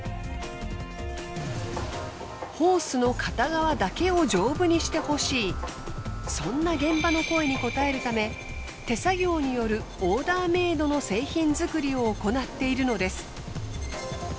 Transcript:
ホースの片側だけを丈夫にしてほしいそんな現場の声に応えるため手作業によるオーダーメードの製品作りを行っているのです。